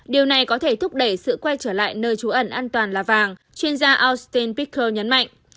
điều này có thể thúc đẩy sự quay trở lại nơi trú ẩn an toàn là vàng chuyên gia austin picker nhấn mạnh